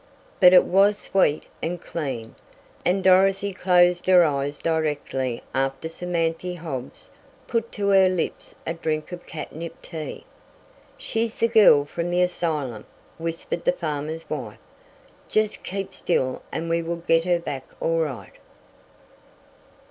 But it was sweet and clean, and Dorothy closed her eyes directly after Samanthy Hobbs put to her lips a drink of catnip tea! "She's the girl from the asylum," whispered the farmer's wife. "Jest keep still and we will git her back all right."